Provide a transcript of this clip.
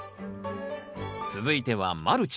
続いてはマルチ。